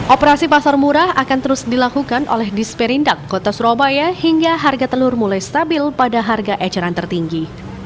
operasi pasar murah akan terus dilakukan oleh disperindak kota surabaya hingga harga telur mulai stabil pada harga eceran tertinggi